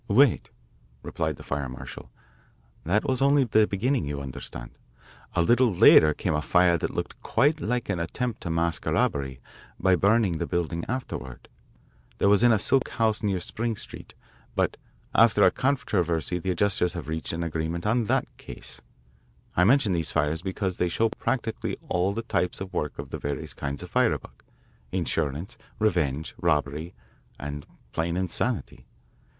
"Wait," replied the fire marshal. "That was only the beginning, you understand. A little later came a fire that looked quite like an attempt to mask a robbery by burning the building afterward. That was in a silk house near Spring Street. But after a controversy the adjusters have reached an agreement on that case. I mention these fires because they show practically all the types of work of the various kinds of firebug insurance, revenge, robbery, and plain insanity.